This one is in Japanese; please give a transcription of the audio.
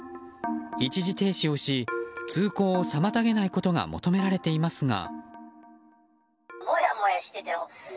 一時停止をし通行を妨げないことが求められていますが。